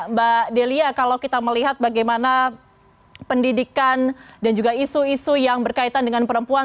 mbak delia kalau kita melihat bagaimana pendidikan dan juga isu isu yang berkaitan dengan perempuan